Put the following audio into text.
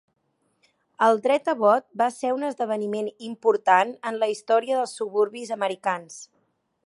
El dret a vot va ser un esdeveniment important en la història dels suburbis americans.